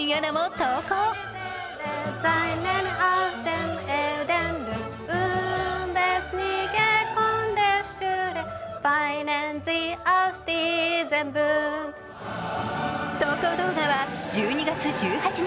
投稿動画は、１２月１８日